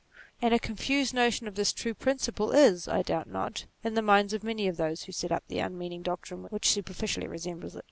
And a confused notion of this true principle, is, I doubt not, in the minds of many of those who set up the un meaning doctrine which superficially resembles it.